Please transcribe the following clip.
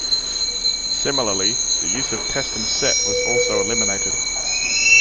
Similarly, the use of test-and-set was also eliminated.